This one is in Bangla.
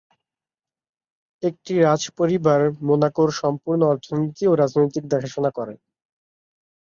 একটি রাজ পরিবার মোনাকোর সম্পূর্ণ অর্থনীতি ও রাজনৈতিক দেখাশোনা করে।